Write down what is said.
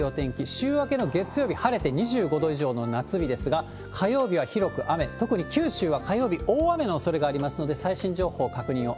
週明けの月曜日、晴れて２５度以上の夏日ですが、火曜日は広く雨、特に九州は火曜日、大雨のおそれがありますので、最新情報確認を。